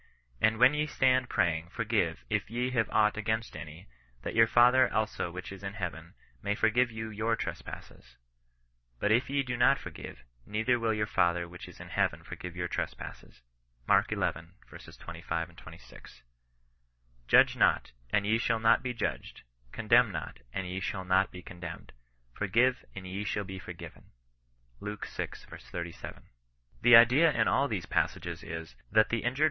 " And when ye stand praying, forgive, if ye have aught against any, that yom* Father also which is in heaven may forgive you your trespasses ; but if ye do not forgive, neither will your Father which is in heaven forgive your trespasses." Mark xi. 25, 26. '^ Judge not, and ye shall not be judged : condemn not, and ye shall not be condemned : forgive and ye shall be forgiven." Luke vi. 37. The idea in all these passages is^ that the injured OHBISTIAN NOK BBSISTANOE.